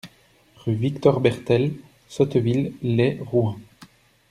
Rue Victor Bertel, Sotteville-lès-Rouen